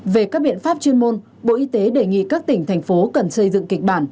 về các biện pháp chuyên môn bộ y tế đề nghị các tỉnh thành phố cần xây dựng kịch bản